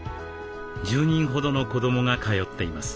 １０人ほどの子どもが通っています。